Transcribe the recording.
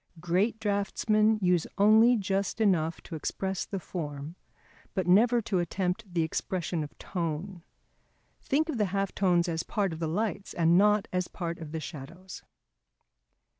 Great draughtsmen use only just enough to express the form, but never to attempt the expression of tone. Think of the half tones as part of the lights and not as part of the shadows.